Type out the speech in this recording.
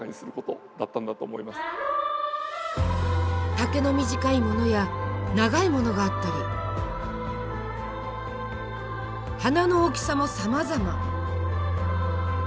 丈の短いものや長いものがあったり花の大きさもさまざま。